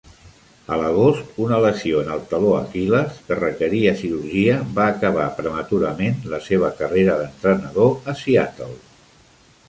A l'agost una lesió en el taló Aquil·les que requeria cirurgia va acabar prematurament la seva carrera d'entrenador a Seattle.